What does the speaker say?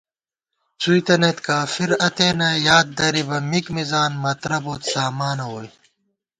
څُوئی تنَئیت کافَر اتېنہ یاددرِبہ مِک مِزان، مَترہ بوت سامانہ ووئی